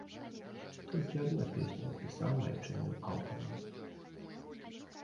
Толькі адна песня напісана айчынным аўтарам.